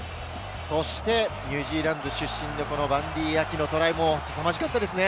そしてニュージーランド出身のバンディー・アキのトライも凄まじかったですね。